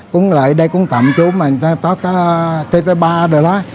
cũng lại đây cũng tạm chú mà người ta có tây tây ba rồi đó